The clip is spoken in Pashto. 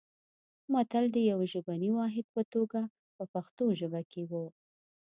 متل د یوه ژبني واحد په توګه په پښتو ژبه کې و